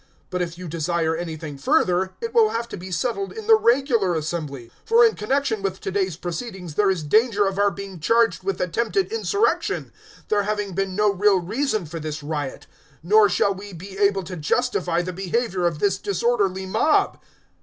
019:039 But if you desire anything further, it will have to be settled in the regular assembly. 019:040 For in connexion with to day's proceedings there is danger of our being charged with attempted insurrection, there having been no real reason for this riot; nor shall we be able to justify the behaviour of this disorderly mob."